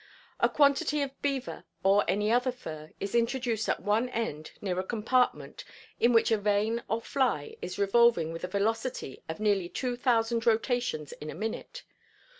A quantity of beaver or any other fur is introduced at one end near a compartment in which a vane or fly is revolving with a velocity of nearly two thousand rotations in a minute.